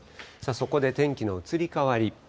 そこで天気の移り変わり。